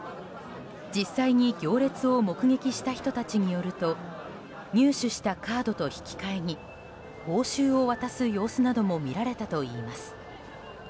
実際に行列を目撃した人たちによると入手したカードと引き換えに報酬を渡す様子なども見られたといいます。